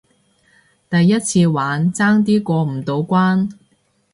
第一次玩，爭啲過唔到關